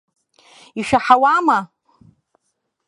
Ишәаҳауама?